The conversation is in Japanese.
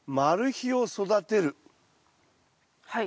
はい。